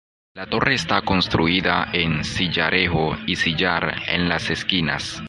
La torre está construida en sillarejo y sillar en las esquinas.